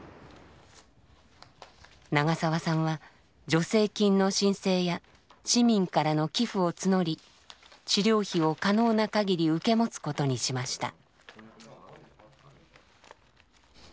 長澤さんは助成金の申請や市民からの寄付を募り治療費を可能なかぎり受け持つことにしました。